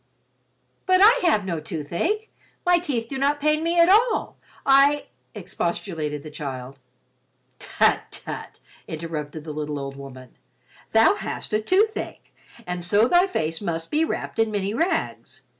"But I have no toothache. My teeth do not pain me at all. I—" expostulated the child. "Tut, tut," interrupted the little old woman. "Thou hast a toothache, and so thy face must be wrapped in many rags.